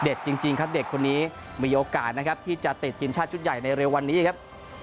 จริงครับเด็กคนนี้มีโอกาสนะครับที่จะติดทีมชาติชุดใหญ่ในเร็ววันนี้ครับ